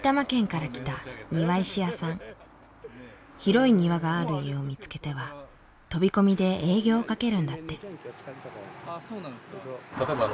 広い庭がある家を見つけては飛び込みで営業をかけるんだって。